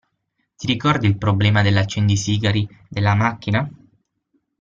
Ti ricordi il problema dell'accendisigari della macchina?